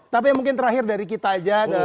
tapi mungkin terakhir dari kita aja